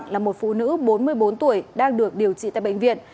lúc bốn mươi bốn tuổi đang được điều trị tại bệnh viện